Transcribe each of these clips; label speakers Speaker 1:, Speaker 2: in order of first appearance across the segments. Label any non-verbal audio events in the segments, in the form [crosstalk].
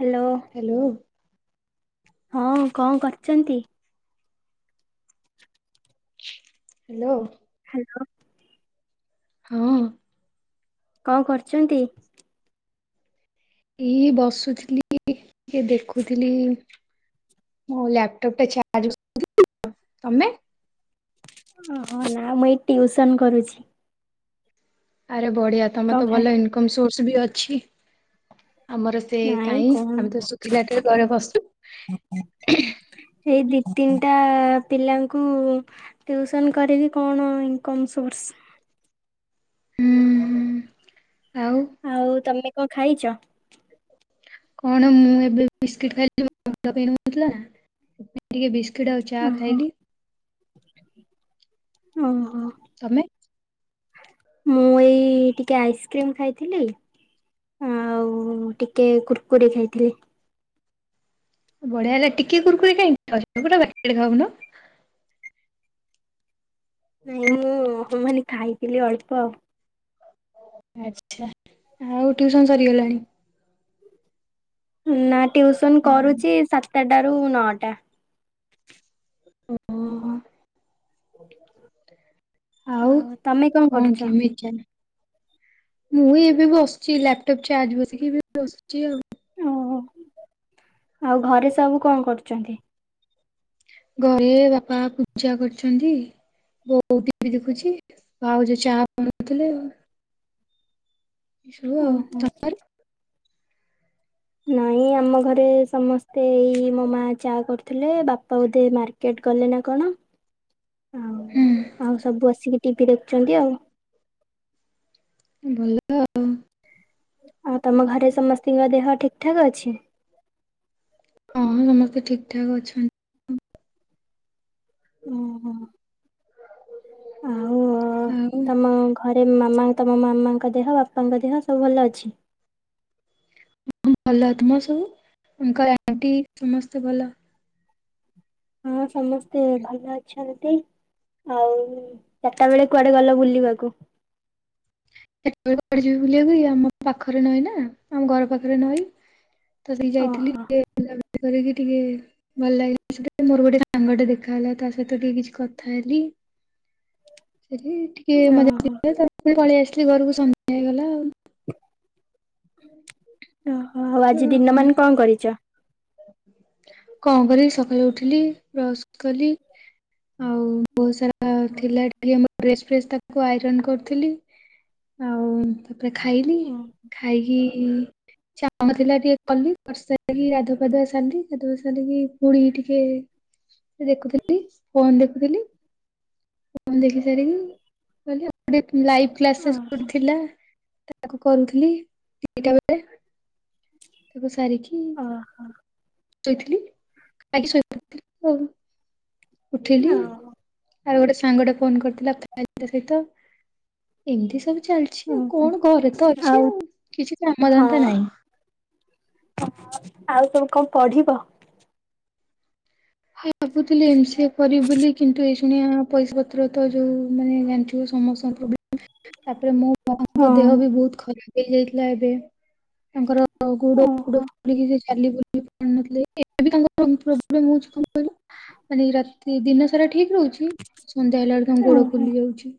Speaker 1: Hello.
Speaker 2: Hello.
Speaker 1: ହଁ କଣ କରିଚନ୍ତି?
Speaker 2: ହାଲୋ।
Speaker 1: ହାଲୋ।
Speaker 2: ହଁ।
Speaker 1: କଣ କରୁଚନ୍ତି?
Speaker 2: କି ବସୁଥିଲି [unintelligible] ଦେଖୁଥିଲି। ମୁଁ ଲାପଟପ୍ ଟା ଚାର୍ଜ [unintelligible] ତମେ?
Speaker 1: ଓହୋ। ନା ମୁଁ ଏଇ ଟ୍ୟଉସନ କରୁଛି।
Speaker 2: ଆରେ ବଢିଆ ତମେ
Speaker 1: କଣ
Speaker 2: ତ
Speaker 1: ଖାଇ
Speaker 2: ଭଲ ଇନକମ ସୋର୍ସ ବି ଅଛି। ଆମର ସେ
Speaker 1: ନାଇଁ
Speaker 2: କାହିଁ
Speaker 1: କଣ
Speaker 2: ଆମେ ତ ଶୁଖିଲା ଟାରେ ଘରେ ବସୁ।
Speaker 1: ଏଇ ଦି ତିନିଟା ପିଲାଙ୍କୁ ଟ୍ୟୁସନ କରିବି କଣ ଇନ୍‌କମ୍ ସୋର୍ସ?
Speaker 2: ହୁଁଁ ହୁଁ। ଆଉ?
Speaker 1: ଆଉ ତମେ କଁ ଖାଇଚ?
Speaker 2: କଣ ମୁଁ ଏବେ ବିସ୍ଟ ଖାଇ [unintelligible] ଟିକେ ବିସ୍କୁିଟ୍ ଆଉ ଚା ଖାଇଲି।
Speaker 1: ଓ ହୋ।
Speaker 2: ତମେ?
Speaker 1: ମୁଁ ଏଇ ଟିକେ ଆଇସ୍କ୍ରିମ ଖାଇଥିଲି ଆଉ ଟିକେ କୁରକୁରି ଖାଇଥିଲି।
Speaker 2: ବଢିଆ ହେଲା। ଟିକେ କୁର କୁରେ କାଇଁ ଖାଉଚ ପୁରା ବାଗରେ ଖାଉନ।
Speaker 1: ମୁଁ ମୁଁ ମାନେ ଖାଇଥିଲି ଅଳ୍ପ।
Speaker 2: ଆଛା ଆଉ ଟିଉସନ ସରିଗଲାଣି?
Speaker 1: ନା ଟିଉସନ
Speaker 2: ନା।
Speaker 1: କରୁଚି ସାତେଟାରୁ ନଅଟା।
Speaker 2: ଓହୋ ଆଉ କଣ କେମିତି ମୁଁ ଏବେ ବସିଚି। ଲାପଟପ୍ ଚାର୍ଜ ବସିଇକି ଏବେ ବସିଚି ଆଉ।
Speaker 1: [unintelligible] ଆଉ ଘରେ ସବୁ କଆଁ କରୁଚନ୍ତି?
Speaker 2: ଘରେ ବାପା ପୂଜା କରୁଚ଼ନ୍ତି। ବୋଉ ଟିଭି ଦେଖୁଚି ଭାଉଜ ଚା ବନଉଥିଲେ ଆଉ। [unintelligible]
Speaker 1: ଓହୋ।
Speaker 2: ଆଉ ତ
Speaker 1: ନାଇଁ ଆମ ଘରେ ସମସ୍ତେ ଏଇ ମୋ ମା ଚା କରୁଥିଲେ। ବାପା ବୋଧେ ମାର କେଟ କଲେ ନା କଣ ଆଉ
Speaker 2: ହୁଁ
Speaker 1: ଆଉ ସବୁ ଆସିକି ଟିଭିି ଦେଖୁଚନ୍ତି ଆଉ।
Speaker 2: ଭଲ ଆଉ।
Speaker 1: ଆଉ ତମ ଘରେ ସମସ୍ତତିଙ୍କ ଦେହ ଠିକ ଠାକ୍ ଅଛି?
Speaker 2: ହଁ ସମସ୍ତେ ଠିକ୍ ଠାକ୍ ଅଛନ୍ତି।
Speaker 1: ଓହୋ ଆଉ
Speaker 2: ଆଉ
Speaker 1: ତମ ଘରେ ମାମା ତମ ମାମାଙ୍କ ଦେହ ବାପାଙ୍କ ଦେହ ସବୁ ଭଲ ଅଛି?
Speaker 2: ଭଲ। ତୁମର ସବୁ ଅଙ୍କଲ ଆଣ୍ଟି ସମସ୍ତେ ଭଲ?
Speaker 1: ହଁ ସମସ୍ତେ ଭଲ ଅଛନ୍ତି। ଆଉ ଚାରିଟା ବେଳେ କୁଆଡେ ଗଲ ବୁଲିବାକୁ?
Speaker 2: [unintelligible] କୁଆଡେ ଯିବି ବୁଲିବାପାଇଁ ଆମ ପାଖରେ ନଇ ନା ଆମ ଘର ପାଖରେ ନଈ। [unintelligible] ଭଲ ଲାଗିଲ
Speaker 1: ଓହୋ
Speaker 2: ସେ ମୋର ଗୋଟେ ସାଙ୍ଗଟେ ଦେଖାହେଲା ତା ସହିତ ଟିକେ କିଛି କଥା ହେଲି। ସେଠି ଟିକେ ମଜା
Speaker 1: ଓହୋ
Speaker 2: [unintelligible] ତା ପଳେଇ ଆସିଲି ଘରକୁ ସନ୍ଧ୍ୟା ଗଲା ଆଉ
Speaker 1: [inaudible] ଓହୋ ଆଜି ଦିନ ମାନ
Speaker 2: ତ
Speaker 1: କଅ କରିଚ଼?
Speaker 2: କଆଁ କରିବି ସକାଳୁ ଉଠିଲି ବ୍ରସ କଲି ଆଉ ବହୁତ ସାରା ଥିଲା ଟିକେ ମୋ ଡ୍ରେସ୍ ଫ୍ରେସ ତାକୁ ଆଇରନ୍ କରୁଥିଲି। ଆଉ ତାପରେ ଖାଇଲି
Speaker 1: ହଁ।
Speaker 2: ଖାଇକି ଯାହା କାମ ଥିଲା ଟିକେ କଲି କରି ସାରିକି ଗାଧୁ ଗାଧୁଆ ସାରିଲି ଗାଧୁଆ ସାରିକି ପୁଣି ଟିକେ ଏ ଦେଖୁଥିଲି ଫୋନ ଦେଖୁଥିଲି ହୁଁ ଦେଖି ସାରିକି ଗଲି ଆଉ ଗୋଟେ ଲାଇ ଥିଲା ସେ
Speaker 1: ଓହୋ।
Speaker 2: ସ୍କୃ ଥିଲା ତାକୁ କରୁଥିଲି ଦିଟା ବେଳେ।
Speaker 1: [inaudible]
Speaker 2: ତାକୁ ସାରିକି
Speaker 1: ଓହୋ।
Speaker 2: ଦେଇଥିଲି। ଖାଇକି ଶୋଇପଡ଼ିଥିଲି ଆଉ ଉଠିଲି
Speaker 1: ଓ
Speaker 2: ତାର ଗୋଟେ ସାଙ୍ଗଟେ ଫୋନ କରିଥିଲା କଥା ହେଲି ତା ସହିତ ଏମିତି ସବୁ ଚାଲି ଅଛି ଆଉ
Speaker 1: ଓହୋ
Speaker 2: କଣ ଘରେ ତ ଅଛି ଆଉ କିଛି କାମଧନ୍ଦା ନାହିଁ।
Speaker 1: ଓହୋ ଆଉ ସବୁ କଣ ପଢିବ?
Speaker 2: ଭାବୁଥିଲେ ଏମ୍ ସି ଏ କରିବି ବୋଲି। କିନ୍ତୁ ଏ ଶୁଣିଆ ପଇସା ପତ୍ର ତ ଯୋଉ ମାନେ ଜାଣିଥିବ ସମସ୍ତଙ୍କ ବ୍ଲା ତାପରେ ମୋ
Speaker 1: ହଁ
Speaker 2: ମାଙ୍କ ଦେହ ବି ବହୁତ ଖରାପ ହେଇଯାଇଥିଲା ଏବେ। ତାଙ୍କର ଗୋଡ ଫୋଡ
Speaker 1: ଓହୋ
Speaker 2: ଚାଲିବୁଲି ପାରୁ ନଥିଲେ। ଏବେ ବି ତାଙ୍କର ପ୍ରୋବ୍ଲେମ୍ ହେଉଛି ମାନେ ରାତି ଦିନ ସାରା ଠିକ ରହୁଛି। ସନ୍ଧ୍ୟା ହେଲା ବେଳକୁ ତାଙ୍କ ଗୋଡ
Speaker 1: ଓହୋ
Speaker 2: ଫୁଲି ଯାଉଛି।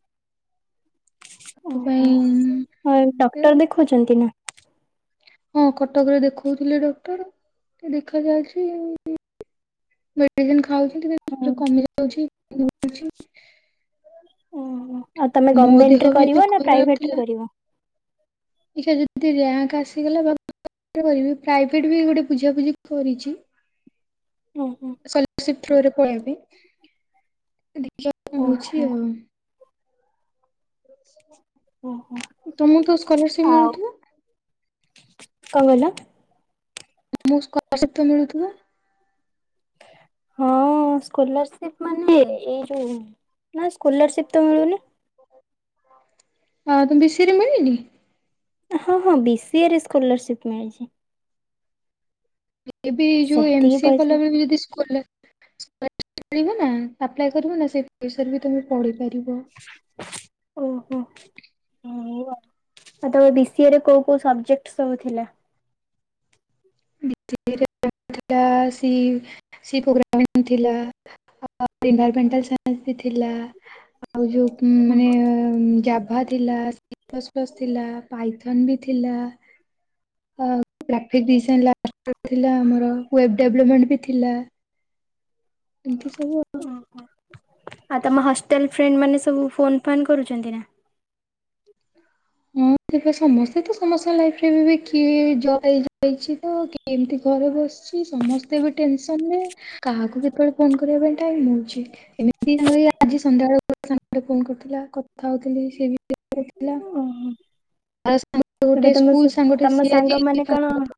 Speaker 1: ଓହୋ
Speaker 2: ସେଥିପାଇଁ
Speaker 1: ଆଉ ଡକ୍ଟର ଦେଖଉଛନ୍ତି ନା।
Speaker 2: ହଁ, କଟକରେ ଦେଖଉଥିଲେ ଡକ୍ଟର ତ ଦେଖା ଯାଉଛି। ମେଡିସିନ ଖାଉଛି,
Speaker 1: ହୁଁ
Speaker 2: କେତେବେଳେ କମିଯାଉଛି, ପୁଣି ହୋଉଛି।
Speaker 1: ଓହୋ ଆଉ ତମେ
Speaker 2: ମୋ ଦେହ
Speaker 1: ଗଭର୍ଣମେଣ୍ଟରେ
Speaker 2: ବି ଏବେ
Speaker 1: କରିବ ନା
Speaker 2: ଖରାପ
Speaker 1: ପ୍ରାଇଭେଟରେ
Speaker 2: ଥିଲା।
Speaker 1: କରିବ?
Speaker 2: ଏଟା ଯଦି ରିୟାଙ୍କ ଆସିଗଲା [inaudible] ବା ପ୍ରାଇଭେଟ ବି ଗୋଟେ ବୁଝାବୁଝି କରିଛି।
Speaker 1: ହୁଁ ହଁ।
Speaker 2: ସର୍ଭିସ ଥ୍ରୋ ରେ ପଳେଇବି ଦେଖିବା କଣ ହଉଛି
Speaker 1: ଓହୋ
Speaker 2: ଆଉ। ନିଶ୍ଚୟ।
Speaker 1: ଓହୋ ଆଉ,
Speaker 2: ମିଳୁଥିବ
Speaker 1: କଣ କହିଲ?
Speaker 2: ତୁମକୁ ସ୍କୋଲାର୍ସିପ ତ ମିଳୁଥିବ?
Speaker 1: ହଁ, ସ୍କୋଲାରସିପ ମାନେ ଏଇ ଯୋଉ ନାଁ ସ୍କୋଲାରସିପ୍ ତ ମିଳୁନି।
Speaker 2: ହଁ ତ ବିସିରେ ମିଳିନି?
Speaker 1: ହଁ, ହଁ ବି ସିଏ ରେ ସ୍କୋଲାରସିପ ମିଳିଛି।
Speaker 2: ଏବେ ବି ଯୋଉ ଏମ
Speaker 1: ସେତିକି
Speaker 2: ସି ଏ
Speaker 1: ପଇସା
Speaker 2: କଲାବେଳେ ବି ଯଦି ସ୍କୋଲାର ସ୍କୋଲାର୍ଷିପ ମିଳୀବ ନା ଆପ୍ଲାଏ କରିବ ନା ସେ ପଇସାରେ ବି ତମେ ପଢି ପାରିବ।
Speaker 1: ଓହୋ ହ। ଆଉ ତମ ବି ସି ଏ ରେ କୋଉ କୋଉ ସବଜେକ୍ଟ ସବୁ ଥିଲା?
Speaker 2: ଦିଲ୍ଲୀ ରେ [inaudible] ଥିଲା। ସି ସି ପୋଗ୍ରାମ ବି ଥିଲା। [inaudible] ଏନ୍ଭର୍ମେନ୍ତଲ ସାଇନ୍ସ ବି ଥିଲା। ଆଉ ଯୋଉ ଉଁ ମାନେ ଆଭା ଥିଲା, ପାସ୍ ପାସ୍ ବି ଥିଲା ପାଇଥନ୍ ବି ଥିଲା। ଅ ଗ୍ରାଫିକ ଡି ଥିଲା ଆମର ୱେବ୍ ଦେଭଲପମେଣ୍ଟ ଥିଲା। ଏମିତି ସବୁ ଆଉ।
Speaker 1: ଆଉ ତମ ହଷ୍ଟେଲ ଫ୍ରେଣ୍ଡ ମାନେ ସବୁ ଫୋନ ଫାନ କରୁଛନ୍ତି ନା?
Speaker 2: ହଁ, ସେବେ ସମସ୍ତେ ତ ସମସ୍ତଙ୍କ ଲାଇଫରେ ବି କିଏ ଜବ୍ ହେଇ ଯାଇଛି ତ କିଏ ଏମତି ଘରେ ବସିଛି, ସମସ୍ତେ ବି ଟେନସନରେ। କାହାକୁ କେତେବେଳେ ଫୋନ କରିବା ପାଇଁ ଟାଇମ ହଉଛି। ଏମିତି ଆଜି ସନ୍ଧ୍ୟାବେଳେ ସାଙ୍ଗଟେ ଫୋନ କରୁଥିଲା କଥା ହଉଥିଲି ସିଏ ବି ବ୍ୟସ୍ତରେ ଥିଲ।।
Speaker 1: ଓହୋ ଏବେ ତମ
Speaker 2: ସ୍କୁଲ
Speaker 1: ସ୍
Speaker 2: ସାଙ୍ଗଟେ
Speaker 1: ତମ
Speaker 2: ସିଏ ଆଜି
Speaker 1: ସାଙ୍ଗ ମାନ
Speaker 2: ଫୋନ
Speaker 1: କଣ
Speaker 2: କରିଥିଲା।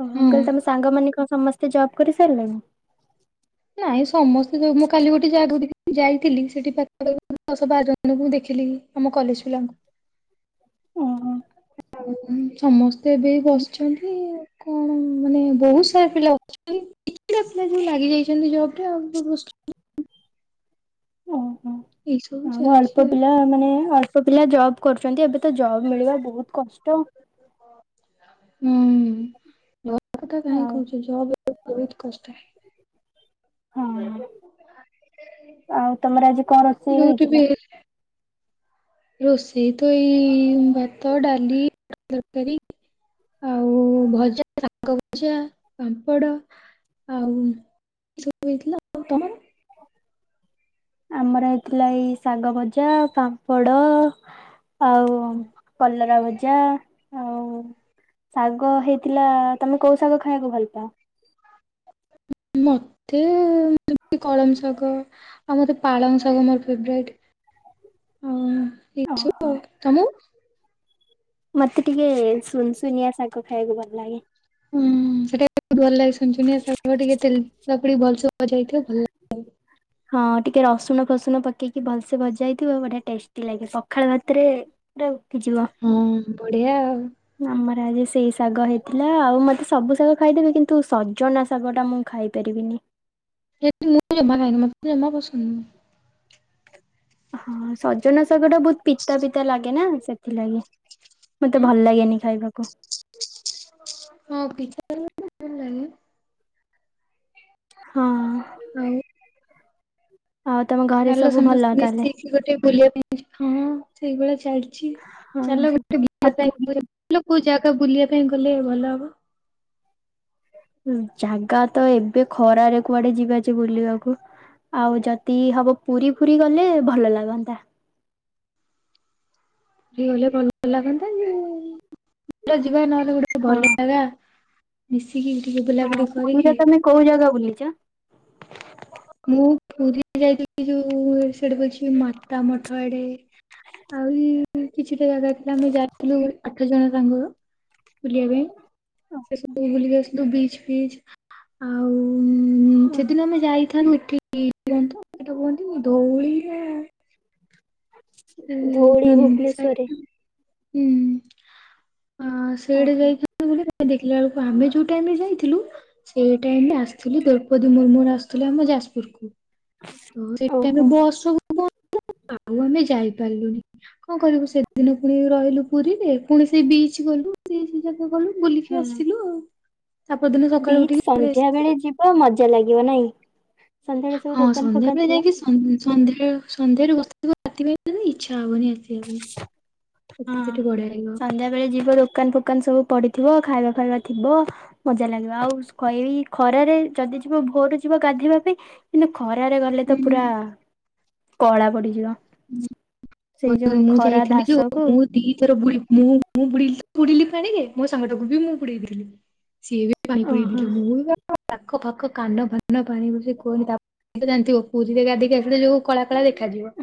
Speaker 1: ଓ ମୁ
Speaker 2: ହଁ
Speaker 1: କହିଲି ତମ ସାଙ୍ଗ ମାନେ କଣ ସମସ୍ତେ ଜବ୍ କରି ସାରିଲେଣି?
Speaker 2: ନାଇଁ ସମସ୍ତେ ଯୋଉ ମୁଁ କାଲି ଗୋଟେ ଜାଗା କୁ ଯାଇଥିଲି, ସେଠି ପାଖ ଦଶ, ବାରଜଣଙ୍କୁ ଦେଖିଲି, ଆମ କଲେଜ ପିଲାଙ୍କୁ।
Speaker 1: [inaudible] ଓହୋ
Speaker 2: ଆଉ ସମସ୍ତେ ଏବେ ବସିଛନ୍ତି। କଣ, ମାନେ ବହୁତ ସାରା ପିଲା ଅଛନ୍ତି, କିଛିଟା ପିଲା ଯୋଉ ଲାଗି ଯାଇଛନ୍ତି ଜବ ରେ ଆଉ।
Speaker 1: ଓହୋ
Speaker 2: ଏଇ ସବୁ
Speaker 1: ଆଉ
Speaker 2: ଚାଲିଛି
Speaker 1: ଅଳ୍ପ ଦିନି। ପ ମାନେ ଅଳ୍ପ ପିଲା ଜବ୍ କରୁଛନ୍ତି। ଏବେ ତ ଜବ୍ ମିଳିବା ବହୁତ କଷ୍ଟ।
Speaker 2: ହୁଁ ଜବ଼ କଥା କାହିଁ
Speaker 1: ଆଉ
Speaker 2: କହୁଛ ଜବ୍ ବହୁତ କଷ୍ଟ
Speaker 1: ହଁ, ଆଉ ତମର ଆଜି କଣ ରୋଷେଇ
Speaker 2: ଯୋଉଠି ବି
Speaker 1: ହେଇଥିଲା?
Speaker 2: ରୋଷେଇ ତ ଏଇ ଭାତ, ଡାଲି, ତରକାରୀ। ଆଉ ଭଜା, ଶାଗଭଜା, ପାମ୍ପଡ଼। ଆଉ ସବୁ ହେଇଥିଲା। ଆଉ ତମର।
Speaker 1: ଆମର ହେଇଥିଲା ଏଇ ଶାଗଭଜା, ପାମ୍ପଡ। ଆଉ କଲରା ଭଜା ଆଉ। ଶାଗ ହେଇଥିଲା, ତମେ କୋଉ ଶାଗ ଖାଇବାକୁ ଭଲ ପାଅ?
Speaker 2: ମତେ ଯେମିତି କଳମ ଶାଗ ଆଉ ମତେ ପାଳଙ୍ଗ ଶାଗ ମୋର ଫେବରାଇଟ ଆଉ
Speaker 1: ଓହୋ
Speaker 2: ଏସବୁ ଆଉ ତମକୁ
Speaker 1: ମତେ ଟିକେ ସୁନସୁନିଆ ଶାଗ ଖାଇବାକୁ ଭଲଲାଗେ
Speaker 2: ହୁଁ ସେଟା ବହୁତ ଭଲଲାଗେ ସୁନ ସୁନିଆଶାଗ ଟିକେ ତେଲ ପଡିକି ଭଲସେ ଭଜା ହୋଇଥିବ ଭଲଲାଗ
Speaker 1: ହଁ ଟିକେ ରସୁଣ ଫସୁଣ ପକେଇକି ଭଲସେ ଭଜା ହୋଇଥିବ ବଢିଆ ଟେଷ୍ଟି ଲାଗିବ ପଖାଳ ଭାତରେ ପୁରା ଉଠିଯିବ।
Speaker 2: ହଁ ବଢିଆ ଆଉ
Speaker 1: ଆମର ଆଜି ସେଇ ଶାଗ ହେଇଥିଲା ଆଉ ମତେ ସବୁ ଶାଗ ଖାଇଦେବି କିନ୍ତୁ ସଜନା ଶାଗଟା ମୁଁ ଖାଇ ପାରିବିନି
Speaker 2: ହେତେ ମୁଁ ଜମା ଖାଏନି ମତେ ଜମା ପସନ୍ଦନୁହେଁ
Speaker 1: ହଁ ସଜନ ଶାଗଟା ବହୁତ ପିତା ପିତା ଲାଗେନା ସେଥିଲାଗି ମତେ
Speaker 2: ନୁହଁ।
Speaker 1: ଭଲ ଲାଗେନି ଖାଇବାକୁ
Speaker 2: ହଁ ବିଚାରୁ ଏ ଲେଇ
Speaker 1: ହଁ।
Speaker 2: ଆଉ
Speaker 1: ହଉ ତମ ଘ
Speaker 2: ଚାଲ ସମସ୍ତେ ମିଶିକି ଗୋଟେ ବୁଲିବା ପାଇଁ ଯିବା ହଁ ସେଇଭଳିଆ ଚାଲିଚି
Speaker 1: ହଁ
Speaker 2: ଚାଲ ଗୋଟେ
Speaker 1: ଆଉ ପୁରୀ
Speaker 2: ବୁଲିବାପାଇଁ ଇଲୋ କୋଉ ଜାଗା ବୁଲିବା ପାଇଁ ଗଲେ ଭଲହବ
Speaker 1: ଜାଗାତ ଏବେ ଖରାରେ କୁଆଡେ ଯିବାଯେ ବୁଲିବାକୁ ଆଉ ଯଦି ହବ ପୁରୀ ଫୁରୀ ଗଲେ ଭଲ ଲାଗନ୍ତା।
Speaker 2: ପୁରୀଗଲେ ଭଲ ଲାଗନ୍ତା ଯେ ଯିବା ନହେଲେ ଗୋଟେ
Speaker 1: ହଁ।
Speaker 2: ଭଲ ଲାଗା ମିଶିକି ଟିକେ ବୁଲାବୁଲି
Speaker 1: ପୁରୀରେ
Speaker 2: କରିକି
Speaker 1: ତମେ କୋଉ ଜାଗା ବୁଲିଚ
Speaker 2: ମୁଁ ପୁରୀ ଯାଇଥିଲି ଯୋଉ ସେଠି କହୁଛି ମାତାମଠ ଆଡେ। ଆହୁରି କିଛିଟା ଜାଗାଥିଲା ଆମେ ଯାଇଥିଲୁ ଆଠ ଜଣ ସାଙ୍ଗର ବୁଲିବା ପାଇଁ। ସେ ସବୁ ବୁଲିକି ଆସଲୁ ବିଚ ଫିଚ ଆଉ ସେଦିନ ଆମେ ମିଠି ଦିଅନ୍ତୁ ସେଟା କୁହନ୍ତି ଧଉଳି ନା ଉଁ
Speaker 1: ଧଉଳି
Speaker 2: ନନ୍‌
Speaker 1: ଭୁବନେଶ୍ଵରରେ
Speaker 2: ଛେଡ୍। ହୁଁ ହଁ ସେଆଡ଼େ
Speaker 1: ଓହୋ
Speaker 2: ଯାଇଥାନ୍ତୁ ବୁଲି ଦେଖିଲା ବେଳକୁ ଆମେ ଯୋଉ ଟାଇମିରେ ଯାଇଥିଲୁ ସେଇ ଟାଇମିରେ ଆସିଥିଲି ଦ୍ରୌପତି ମୁର୍ମୁ ଆସିୁଥିଲେ ଆମ ଯାଜପୁରୁକୁ। ହଁ ସେଇ ଟାଇମରେ
Speaker 1: ଓହୋ
Speaker 2: ବସ ସବୁବନ୍ଦ ଆଉ ଆମେ ଯାଇନୁ। ଗଲୁଣି କଣ କରିବୁ ସେଦିନ ପୁଣି ରହିଲୁ ପୁରୀରେ ପୁଣି ସେଇ ବିଚ ଗଲୁ। ବିଚ୍ ଯାକ ଗଲୁ ବୁଲିକି
Speaker 1: ହଁ।
Speaker 2: ଆସିଲୁ ଆଉ ତାପରଦିନ ସଖାଳୁ ଉଠିକି ପଳେଇ ଆସି
Speaker 1: ବହୁ ମଜା ଲାଗିବ ନାଇଁ ସନ୍ଧ୍ୟାବେଳେ ସବୁ
Speaker 2: ହଁ
Speaker 1: ଦୋକାନ ଫୋକାନ
Speaker 2: ସନ୍ଧ୍ୟାବେଳେ
Speaker 1: ଥିବ
Speaker 2: ଯାଇଁକି
Speaker 1: ନା।
Speaker 2: ସ ସନ୍ଧ୍ୟାବେଳୁ ସନ୍ଧ୍ୟାରୁ ବସିଥିବ ରାତି ପାଇଁ ଇଚ୍ଛା ହବନି ଆସି
Speaker 1: ହଁ
Speaker 2: ଲାଗିବ।
Speaker 1: ସନ୍ଧ୍ୟାବେଳେ ଯିବ ଦୋକାନ ଫୋ ଦୋକାନ ସବୁ ପଡିଥିବ ଖାଇବା ଫାଇବା ଥିବ। ମଜା ଲାଗିବ ଆଉ ଏଇ ଖରାରେ ଯଦି ଯିବ ଭୋରରୁ ଯିବ ଗାଧେଇବା ପାଇଁ। କିନ୍ତୁ ଖରାରେ
Speaker 2: ହୁଁ।
Speaker 1: ଗଲେତ ପୁରା କଳା ପଡିଯିବ।
Speaker 2: [unintelligible]
Speaker 1: ସେଇ ଯୋଉ
Speaker 2: ମୁଁ
Speaker 1: ଖରା
Speaker 2: ଯାଇଥିଲି ଯୋଉ
Speaker 1: ଧାସକୁ
Speaker 2: ମୁଁ ଦିଥର ବୁଡି ମୁଁ ବୁଡିଲିତ ବୁଡିଲି ପାଣିରେ ମୋ ସାଙ୍ଗଟାକୁବି ମୁଁ ବୁଡେଇ ଦେଇଥିଲି ସିଏ ବି ପାଣି ପୁରେଇ
Speaker 1: ଓହୋ।
Speaker 2: ଦେଇଥିଲି ମୁଁ ବି କାଖ ଫାକ କାନ ଫାନ ପାଣିରେ ସେ କୁହନି ତା ଜାଣିଥିବ ପୁରୀରେ ଗାଧିଇକି ଆସିଲେ ଯୋଉ କଳା କଳା ଦେଖାଯିବ।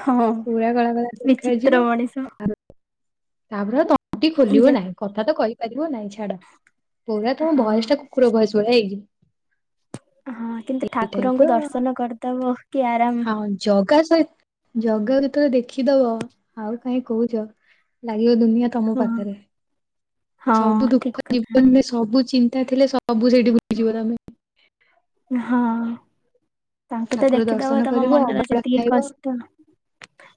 Speaker 1: ହଁ
Speaker 2: ପୁରା କଳା କଳା ଦେଖାଯିବ।
Speaker 1: ବିଚିତ୍ର ମଣିଷ।
Speaker 2: ତାପରେ ଆଉ ତଣ୍ଟି ଖୋଲିବ
Speaker 1: ଯେ
Speaker 2: ନାହିଁ କଥାତ କହିପାରିବ ନାହିଁ ଛାଡ ପୁରା ତମ
Speaker 1: ହଁ
Speaker 2: ଭୟେସ ଟାକୁ କୁକୁର ଭୟେସ୍ ଭଳିଆ ହେଇଯିବ
Speaker 1: ହଁ କିନ୍ତୁ
Speaker 2: ଏଇ ଟାଇପ୍
Speaker 1: ଠାକୁରଙ୍କୁ
Speaker 2: ର
Speaker 1: ଦର୍ଶନ କରିଦବ କି ଆରାମ।
Speaker 2: ହଁ ଜଗା ସହିତ ଜଗାକୁ ଯେତେବେଳେ ଦେଖିଦବ ଆଉ କାହିଁ କହୁଚ। ଲାଗିବ ଦୁନିଆ ତମ
Speaker 1: ହଁ
Speaker 2: ପାଖରେ
Speaker 1: ହଁ
Speaker 2: ସବୁ
Speaker 1: ଠିକ
Speaker 2: ଦୁଃଖ
Speaker 1: କଥା
Speaker 2: ଜୀବନରେ ସବୁଚି ତା ଥିଲେ ସବୁ ସେଇଠି ଭୁଲିଯିବ ତମେ।
Speaker 1: ହଁ ତାଙ୍କୁ ତ
Speaker 2: ଠାକୁର
Speaker 1: ଦେଖିଦବ
Speaker 2: ଦର୍ଶନ
Speaker 1: ତମ
Speaker 2: କରିବ
Speaker 1: ମନର
Speaker 2: ଅବଢା
Speaker 1: ଯେତିକି
Speaker 2: ଖାଇବ
Speaker 1: କଷ୍ଟ।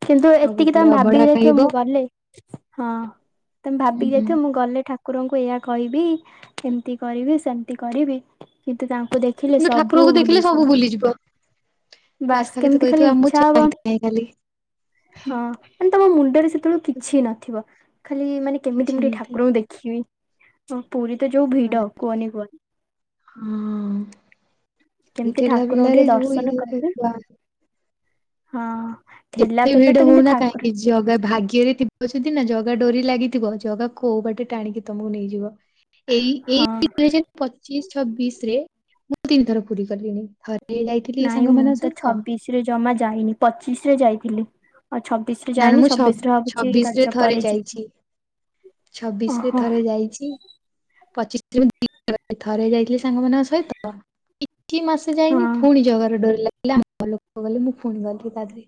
Speaker 1: କିନ୍ତୁ ଏତିକି
Speaker 2: ସବୁବେଳେ
Speaker 1: ତମେ
Speaker 2: ଅବଢା
Speaker 1: ଭାବିକି ଯାଇଥିବ
Speaker 2: ଖାଇବ
Speaker 1: ମୁଁ ଗଲେ ହଁ। ତମେ ଭାବିକି
Speaker 2: ଉଁ
Speaker 1: ଯାଇଥିବ ମୁଁ ଗଲେ ଠା କୁରଙ୍କୁ ଏହା କହିବି ଏମିତି କରିବି ସେମିତି କରିବି କିନ୍ତୁ ତାଙ୍କୁ ଦେ ଖିଲେ ସବୁ ଭୁଲି ଯିବ।
Speaker 2: ଭୁଲି ଯିବ।
Speaker 1: ବାସ୍ କେମିତି ଖାଲି ଇଚ୍ଛା ହବ
Speaker 2: ଚାହିଁଥାଏ ଖାଲି
Speaker 1: ହଁ। ମାନେ ତମ ମୁଣ୍ଡରେ ସେତେବେଳୁ କିଛି ନଥିବ ଖାଲି ମାନେ
Speaker 2: କିଛି
Speaker 1: କେମିତି ମୁଁ ଟିକେ
Speaker 2: ନଥାଏ।
Speaker 1: ଠାକୁରଙ୍କୁ ଦେଖିବି। ହଁ ପୁରୀ ତ ଯୋଉ ଭିଡ କୁହନି କୁହନି।
Speaker 2: ହଁ ଏଇ
Speaker 1: କେମିତି
Speaker 2: ଠେଲା
Speaker 1: ଠାକୁରଙ୍କୁ ଟିକେ
Speaker 2: ପେଲାରେ ଯଉ
Speaker 1: ଦର୍ଶନ କଲେ
Speaker 2: [unintelligible]
Speaker 1: ହଁ। ଠେଲା
Speaker 2: ଯେତେ
Speaker 1: ପେଲା
Speaker 2: ଭିଡ
Speaker 1: ତ କିନ୍ତୁ
Speaker 2: ହଉନା
Speaker 1: ଠାକୁର
Speaker 2: କାହିଁକି। ଜଗା ଭାଗ୍ୟରେ ଥିବ ଯଦି ନା ଜଗା ଡୋରି ଲାଗିଥିବ ଜଗା କୋଉ ବାଟେ ଟାଣିକି ତମକୁ ନେଇଯିବ। ଏଇ ଏଇ
Speaker 1: ହଁ
Speaker 2: ଦୁଇ ହଜାର ପଚିଶ ଛବିଶରେ ମୁଁ ତିନିଥର ପୁରୀ ଗଲିଣି ଥ ଯାଇଥିଲି ସାଙ୍ଗମାନଙ୍କ ସହିତ।
Speaker 1: ଛିରେ ରେ ଜମା ଯାଇନି ପଚିଶରେ ଯାଇଥିଲି। ଆଉ ଛବିଶରେ
Speaker 2: ନା ନା
Speaker 1: ଯାଇନି
Speaker 2: ମୁଁ ଛ
Speaker 1: ଛବିଶରେ ଭାବୁଛି
Speaker 2: ଛବିଶ
Speaker 1: ରଜ ପରେ ଯି
Speaker 2: ଛବିଶରେ ଥରେ ଯାଇଚି। ପଚିଶ ମୁଁ [inaudible] ଥରେ ଯାଇଥିଲି ସାଙ୍ଗମାନଙ୍କ ସହିତ। କିଛି ମାସେ
Speaker 1: ହଁ
Speaker 2: ଯାଇନି ଫୁଣି ଜଗାର ଡୋରି ଲା ଆମ ଲୋକ ଗଲେ ମୁଁ ଫୁଣି ଗଲି ତା ଦେ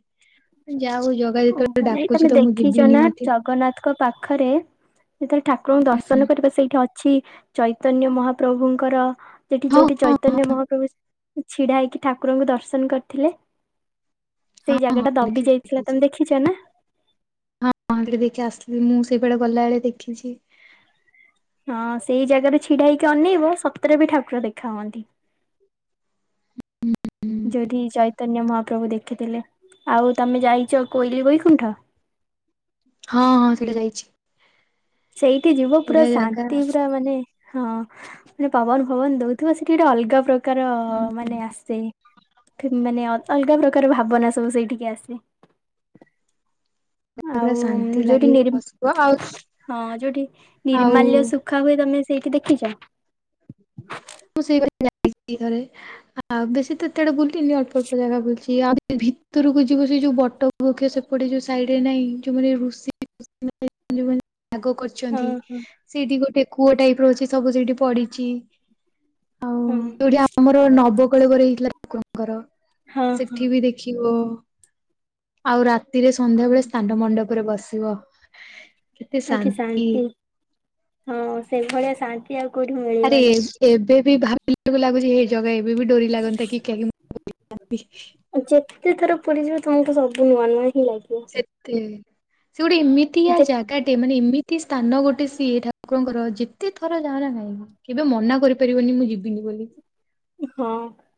Speaker 2: ଯାହା ହଉ ଜଗା ଯେତେବେଳେ
Speaker 1: ମାନେ ଏଇ
Speaker 2: ଡାକୁଛି
Speaker 1: ତମେ
Speaker 2: ତ ମୁଁ ଯିବି
Speaker 1: ଦେଖିଛ ନା ଜ
Speaker 2: ନିହାତି
Speaker 1: ଜଗନ୍ନାଥଙ୍କ ପାଖରେ ଯେତେବେଳେ ଠାକୁରଙ୍କୁ
Speaker 2: ହୁଁ।
Speaker 1: ଦର୍ଶନ କରିବ ସେଇଠି ଅଛି ଚୈ ଚୈତନ୍ୟ ମହାପ୍ରଭୁଙ୍କର ସେଠି
Speaker 2: ହଁ
Speaker 1: ଯୋଉଠି
Speaker 2: ହଁ ହଁ
Speaker 1: ଚୈତନ୍ୟ ମହାପ୍ରଭୁ ଛିଡା ହେଇକି ଠାକୁରଙ୍କୁ ଦର୍ଶନ କରିଥିଲେ। ସେଇ
Speaker 2: ହଁ
Speaker 1: ଜାଗା। ଟା
Speaker 2: ହଁ
Speaker 1: ଦବି
Speaker 2: ଦେଖି,
Speaker 1: ଯାଇଥିଲା ତମେ
Speaker 2: ଦେଖିଚି।
Speaker 1: ଦେଖିଛ ନା?
Speaker 2: ହଁ, ଟିକେ ଦେଇକି ଆସିଲି ମୁଁ, ସେଇପଟେ ଗଲାବେଳେ ଦେଖିଛି।
Speaker 1: ହଁ, ସେଇ ଜାଗାରେ ଛିଡା ହେଇକି ଅନେଇବ। ସତରେ ବି ଠାକୁର ଦେଖା ହୁଅନ୍ତି।
Speaker 2: ହୁଁ।
Speaker 1: ଯଦି ଚୈତନ୍ୟ ମହାପ୍ରଭୁ ଦେଖ୍ ଖିଥିଲେ। ଆଉ, ତମେ ଯାଇଛ କୋଇଲି ବୈକୁଣ୍ଠ?
Speaker 2: ହଁ, ହଁ, ସେଇଟା ଯାଇଛି।
Speaker 1: ସେଇଠି ଯିବ ପୁରା
Speaker 2: ବଢିଆ ଜାଗା
Speaker 1: ଶାନ୍ତି। ମାନେ ହଁ, ମାନେ ପବନ ଫବନ ଦଉଥିବ, ସେଠି ଗୋଟେ ଅଲଗା ପ୍ରକା ପ୍ରକାର-ଅ ମାନେ ଆସେ। ମାନେ ଅଲଗା ପ୍ରକାର ଭାବନା ସବୁ ସେଇଠିକି ଆସେ।
Speaker 2: ପୁରା
Speaker 1: ଆଉ,
Speaker 2: ଶାନ୍ତି
Speaker 1: ଯୋଉଠି
Speaker 2: ଲାଗିବ
Speaker 1: ନିରିମ୍
Speaker 2: ବସିବ ଆଉ
Speaker 1: ହଁ, ଯୋଉଠି
Speaker 2: ଆଉ
Speaker 1: ନିର୍ମାଲ୍ୟ ସୁଖ୍ ଖା ହୁଏ, ତମେ ସେଇଠି ଦେଖିଛ?
Speaker 2: ମୁଁ [inaudible] ଯାଇଛି ଥରେ। ଆଉ ବେଶୀ ତ ଏତେ ଆଡେ ବୁଲିନି, ଅଳ୍ପ ଅଳ୍ପ ଜାଗା ବୁଲିଛି। ଆଉ ଭିତରକୁ ଯିବୁ ସେ ଯୋଉ ବଟ ବୃକ୍ଷ ସେପଟେ ଯୋଉ ସାଇଡରେ ନାଇଁ, ଯୋଉମାନେ ଋଷି [inaudible] ଯଉମାନେ ପାଗ
Speaker 1: ହଁ
Speaker 2: କରିଚନ୍ତି,
Speaker 1: ହଁ
Speaker 2: ସେଇଠି ଗୋଟେ କୂଅ ଟାଇପ୍ ର ଅଛି ସବୁ ସେଇଠି ପଡିଚି।
Speaker 1: ହୁଁ।
Speaker 2: ଯଉ ନବକଳେବର ହେଇଥିଲା ଠାକୁରଙ୍କର
Speaker 1: ହଁ ହଁ
Speaker 2: ସେଠି ବି ଦେଖିବ। ଆଉ ରାତିରେ
Speaker 1: ହଁ
Speaker 2: ସନ୍ଧ୍ୟାବେଳେ ସ୍ଥାନ ମଣ୍ଡପରେ ବସିବ।
Speaker 1: ଆଉ କି ଶାନ୍ତି, ହଁ ସେଭଳିଆ ଶାନ୍ତି ଆଉ କୋଉଠି ମିଳି
Speaker 2: ଆରେ, ଏବେ ବି ଭାବିଲା ବେଳକୁ ଲାଗୁଛି ହେଇଯା ଜାଗା ଏବେ ବି ଡୋରି ଲାଗନ୍ତା କି [inaudible]
Speaker 1: ଆଉ ଯେତେ ଥର ପୁରୀ ଯିବ, ତୁମକୁ ସବୁ ନୂଆଁ ନୂଆଁ ହିଁ ଲାଗିବ।
Speaker 2: ସେତେ, ସେ ଗୋଟେ ଏମିତିଆ
Speaker 1: ଯେ
Speaker 2: ଜାଗାଟେ, ମାନେ ଏମି କି ସ୍ଥାନ ଗୋଟେ ସିଏ ଠାକୁରଙ୍କର, ଯେତେ ଥର ଯାଅ ନା କାହିଁ କେବେ ମନା କରିପାରିବନି, ମୁଁ ଯିବିନି ବୋଲି?
Speaker 1: ହଁ,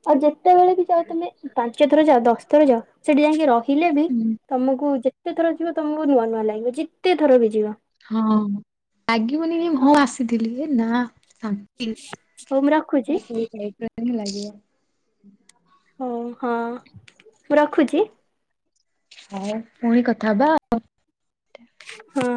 Speaker 1: ଆଉ ଯେତେବେଳେ ବି ଯାଅ ତମେ, ପାଞ୍ଚ ଥର ଯାଅ ଦଶ ଥର ଯାଅ, ସେଠି ଯାଇଁକି ରହ ହିଲେ ବି,
Speaker 2: ହୁଁ
Speaker 1: ତମକୁ ଯେତେ ଥର ଯିବ, ତମକୁ ନୂଆଁ ନୂଆଁ ଲାଗିବ। ଯେତେ ଥର ବି ଯିବ।
Speaker 2: ହଁ, ଲାଗିବନି କି ହଁ
Speaker 1: ଓହୋ
Speaker 2: ଆସିଥିଲି, ଏ ନାଁ ସାନ୍ କି,
Speaker 1: ହଉ ମୁଁ ରଖୁଛି
Speaker 2: ସେଟା ସେଇ ଟାଇପ୍ ର ହିଁ ଲାଗିବ।
Speaker 1: ହଉ ହଁ, ମୁଁ ରଖୁଛି।
Speaker 2: ହଉ, ପୁଣି କଥା ହବା ଆଉ।
Speaker 1: ହଁ।